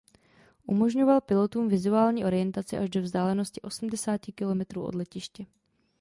Umožňoval pilotům vizuální orientaci až do vzdálenosti osmdesáti kilometrů od letiště.